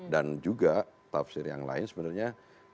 dan juga tafsir yang lain sebenarnya